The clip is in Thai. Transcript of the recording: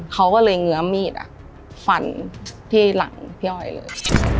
เขาก็เลยเงื้อมีดฟันที่หลังพี่อ้อยเลย